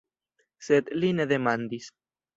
Sed li ne demandis.